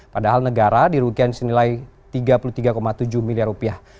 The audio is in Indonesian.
padahal negara dirugikan senilai tiga puluh tiga tujuh miliar rupiah